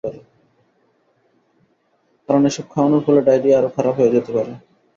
কারণ এসব খাওয়ানোর ফলে ডায়রিয়া আরো খারাপ হয়ে যেতে পারে।